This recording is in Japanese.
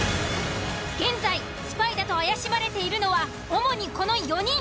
現在スパイだと怪しまれているのは主にこの４人。